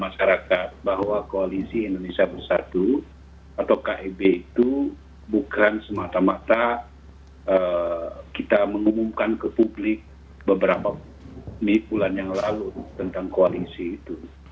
masyarakat bahwa koalisi indonesia bersatu atau kib itu bukan semata mata kita mengumumkan ke publik beberapa bulan yang lalu tentang koalisi itu